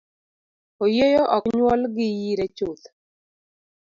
Oyieyo ok nyuol gi yire chuth.